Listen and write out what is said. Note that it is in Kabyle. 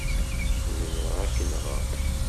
Zemreɣ ad k-nɣeɣ.